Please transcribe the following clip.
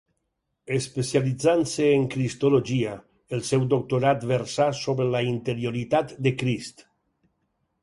Especialitzant-se en cristologia, el seu doctorat versà sobre la interioritat de Crist.